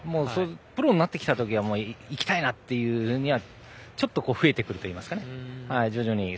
プロになった時には行きたいな！という思いがちょっと増えてくるといいますか徐々にね。